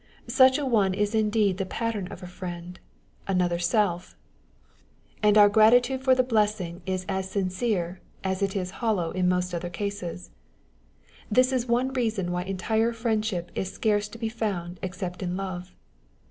Such a one is indeed the pattern of a friend, another self â€" and On the Spirit of Obligations. 115 our gratitude for the blessing is as sincere, as it is hollow in most other cases ! This is one reason why entire friendship is scarcely to be found except in love.